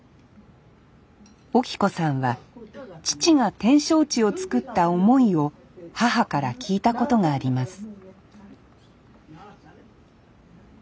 オキ子さんは父が展勝地をつくった思いを母から聞いたことがあります